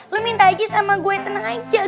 lo minta aja sama gue tenang aja